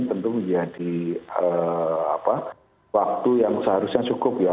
tentu ya di waktu yang seharusnya cukup ya